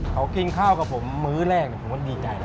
เขากินข้าวกับผมมื้อแรกผมก็ดีใจนะ